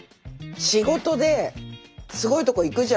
仕事ですごいとこ行くじゃないですか。